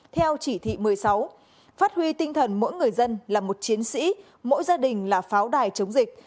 theo chỉ thị một mươi sáu phát huy tinh thần mỗi người dân là một chiến sĩ mỗi gia đình là pháo đài chống dịch